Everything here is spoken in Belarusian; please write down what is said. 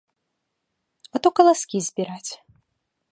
А то каласкі збіраць!